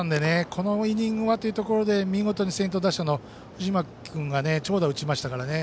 このイニングはというところで見事に先頭打者の藤巻君が長打を打ちましたからね。